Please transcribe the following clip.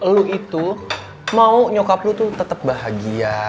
lo itu mau nyokap lo tuh tetap bahagia